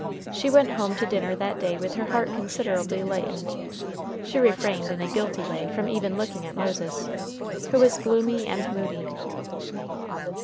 She went home to dinner that day with her heart considerably lightened. She refrained, in a guilty way, from even looking at Moses, who was gloomy and moody.